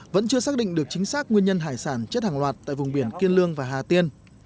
vẫn chưa xác định được chính xác nguyên nhân hải sản chết hàng loạt tại vùng biển kiên lương và hà tiên